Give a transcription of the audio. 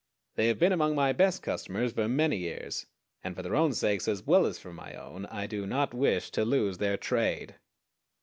They have been among my best customers for many years, and for their own sakes, as well as for my own, I do not wish to lose their trade.